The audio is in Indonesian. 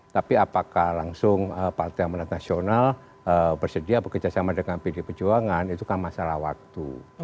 tapi apakah langsung partai amanat nasional bersedia bekerjasama dengan pd perjuangan itu kan masalah waktu